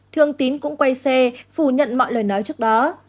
thương tín cũng quay xe phủ nhận mọi lời nói trước đó